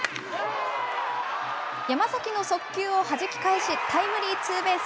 山崎の速球をはじき返し、タイムリーツーベース。